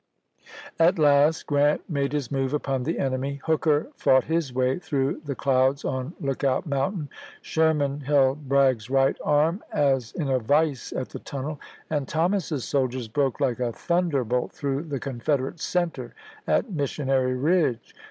At last Grant made his move upon the enemy ; Hooker fought his way through the clouds on Look out Mountain ; Sherman held Bragg's right arm as in a vise at the tunnel ; and Thomas's soldiers broke like a thunderbolt through the Confederate center at Missionary Ridge.